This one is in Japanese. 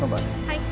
はい。